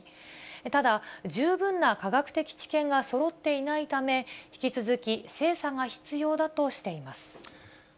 ただ、十分な科学的知見がそろっていないため、引き続き精査が必要だとしています。